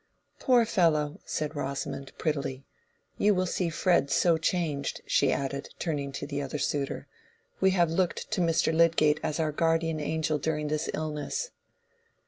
"Poor fellow!" said Rosamond, prettily. "You will see Fred so changed," she added, turning to the other suitor; "we have looked to Mr. Lydgate as our guardian angel during this illness."